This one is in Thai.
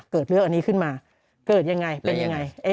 เกิดเรื่องอันนี้ขึ้นมาเกิดยังไง